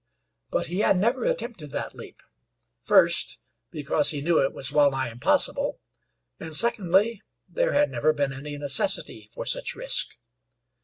But he had never attempted that leap, first, because he knew it was well nigh impossible, and secondly, there had never been any necessity for such risk.